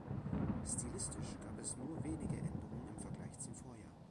Stilistisch gab es nur wenige Änderungen im Vergleich zum Vorjahr.